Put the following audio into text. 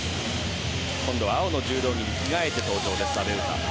今度は青の柔道着に着替えて登場です、阿部詩。